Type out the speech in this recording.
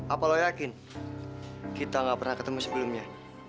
apa lo yakin kita gak pernah ketemu sebelumnya